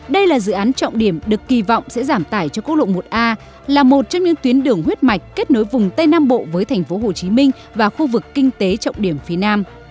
đây là dự án trọng điểm được kỳ vọng sẽ giảm tải cho quốc lộ một a là một trong những tuyến đường huyết mạch kết nối vùng tây nam bộ với thành phố hồ chí minh và khu vực kinh tế trọng điểm phía nam